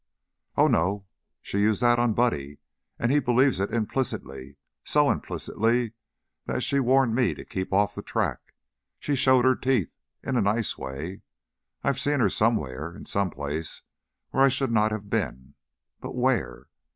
"Oh no. She used that on Buddy and he believes it implicitly so implicitly that she warned me to keep off the track. She showed her teeth, in a nice way. I've seen her somewhere; in some place where I should not have been. But where?